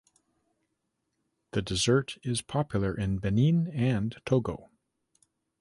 The dessert is popular in Benin and Togo.